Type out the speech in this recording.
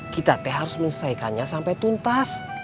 kita teh harus menyelesaikannya sampai tuntas